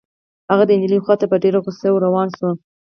هغه د نجلۍ خوا ته په ډېرې غصې ور روان شو.